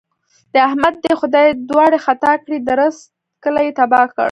د احمد دې خدای دواړې خطا کړي؛ درست کلی يې تباه کړ.